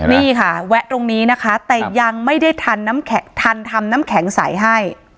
นี่ค่ะแวะตรงนี้นะคะแต่ยังไม่ได้ทันน้ำแข็งทันทำน้ำแข็งใสให้